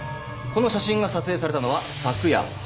この写真が撮影されたのは昨夜８時頃。